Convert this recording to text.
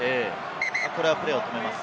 これはプレーを止めます。